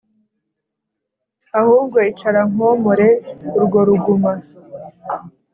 ahubwo icara nkomore urwo ruguma